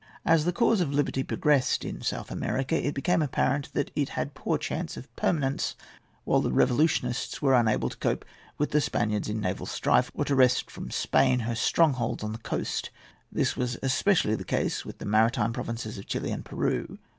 As the cause of liberty progressed in South America, it became apparent that it had poor chance of permanence, while the revolutionists were unable to cope with the Spaniards in naval strife or to wrest from Spain her strongholds on the coast. This was especially the case with the maritime provinces of Chili and Peru.